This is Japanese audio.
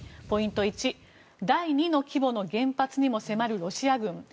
ポイント１、第２の規模の原発にも迫るロシア軍。